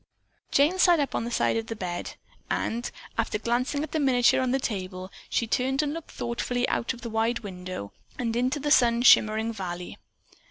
Jane sat up on the side of the bed, and, after glancing at the miniature on the table near, she turned and looked thoughtfully out of the wide window and into the sun shimmering valley.